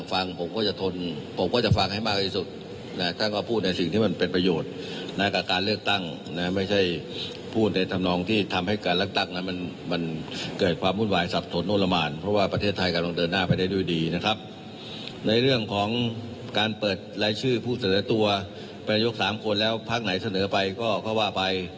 ฟังเสียงของนายยกรัฐมนตรีตอบเรื่องของการเมืองกันหน่อยนะครับ